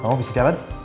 kamu bisa jalan